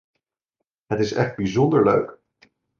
Het is echt bijzonder leuk!